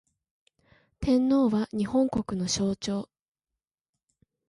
天皇は、日本国の象徴